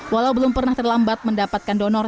walau belum pernah terlambat mendapatkan donor